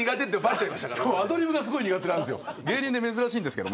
アドリブがすごい苦手なんですよ。